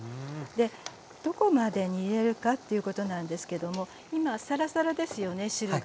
でどこまで煮えるかっていうことなんですけども今サラサラですよね汁が。